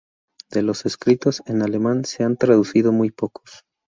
De los escritos en alemán se han traducido muy pocos.